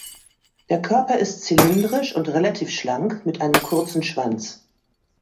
Der Körper ist zylindrisch und relativ schlank mit einem kurzen Schwanz.